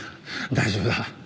大丈夫だ。